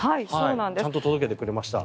ちゃんと届けてくれました。